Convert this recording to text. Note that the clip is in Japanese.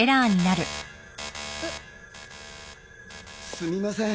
すみません